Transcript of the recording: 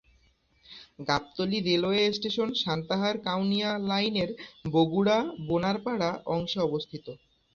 Gabtali railway station সান্তাহার-কাউনিয়া লাইনের বগুড়া-বোনারপাড়া অংশে অবস্থিত।